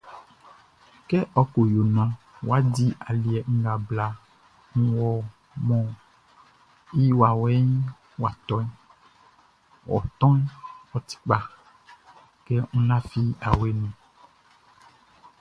Kɛ ɔ ko yo naan wʼa di aliɛ nga bla kun mɔ i wawɛʼn wʼa tɔʼn, ɔ tɔnʼn, ɔ ti kpa, kɛ n lafi awe nunʼn.